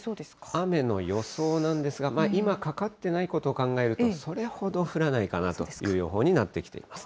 雨の予想なんですが、今かかってないことを考えると、それほど降らないかなという予報になってきています。